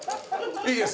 いいです。